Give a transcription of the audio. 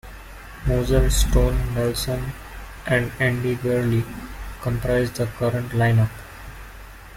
Moser, Stone, Nelson and Andy Gurley comprise the current lineup.